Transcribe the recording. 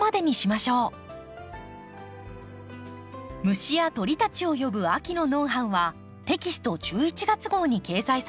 虫や鳥たちを呼ぶ秋のノウハウはテキスト１１月号に掲載されています。